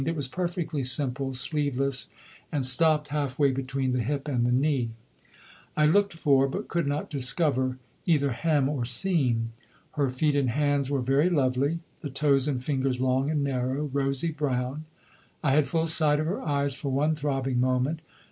It was perfectly simple, sleeveless, and stopped half way between the hip and the knee. I looked for, but could not discover, either hem or seam. Her feet and hands were very lovely, the toes and fingers long and narrow, rosy brown. I had full sight of her eyes for one throbbing moment.